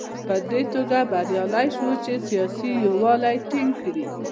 په دې توګه بریالی شو چې سیاسي یووالی ټینګ کړي.